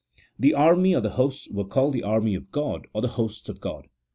The army, or the hosts, were called the army of God, or the hosts of God.